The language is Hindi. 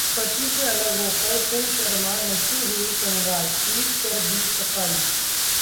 पति से अलग होकर किम शर्मा नहीं हुई कंगाल, ट्वीट कर दी सफाई